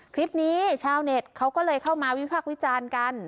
คลิปนี้ชาวเน็ตเขาก็เลยเข้ามาวิพากษ์วิจารณ์กัน